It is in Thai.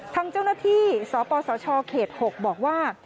ทางเจ้าหน้าที่สปสชเขต๖บอกว่า